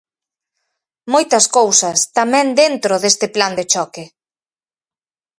Moitas cousas, tamén dentro deste plan de choque.